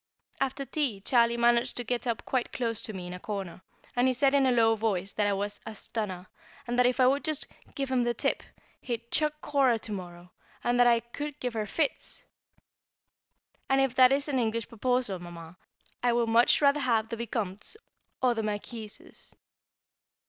After tea Charlie managed to get up quite close to me in a corner, and he said in a low voice that I was "a stunner," and that if I would just "give him the tip," he'd "chuck Cora to morrow;" that I "could give her fits!" And if that is an English proposal, Mamma, I would much rather have the Vicomte's or the Marquis's.